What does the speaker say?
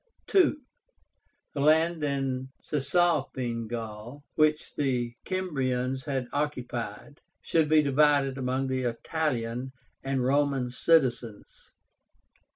II. The land in Cisalpine Gaul, which the Cimbrians had occupied, should be divided among the Italian and Roman citizens.